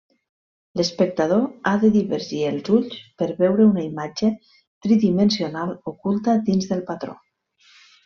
L'espectador ha de divergir els ulls per veure una imatge tridimensional oculta dins del patró.